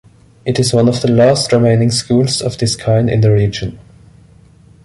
It is one of the last remaining schools of this kind in the region.